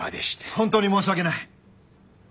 本当に申し訳ない。